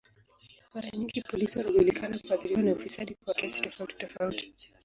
Mara nyingi polisi wanajulikana kuathiriwa na ufisadi kwa kiasi tofauti tofauti.